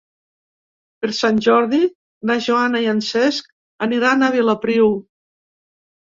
Per Sant Jordi na Joana i en Cesc aniran a Vilopriu.